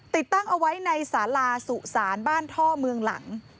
ติดตั้งเอาไว้ในสาราสุสานบ้านท่อเมืองหลัง